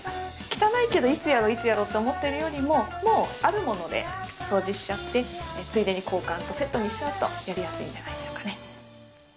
汚いけど、いつやろう、いつやろうって思っているよりも、もうあるもので掃除しちゃって、ついでに交換とセットにしちゃうと、やりやすいんじゃないでしょうかね。